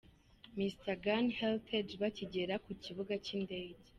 Mrgan Hertage bakigera ku kibuga cy'indege.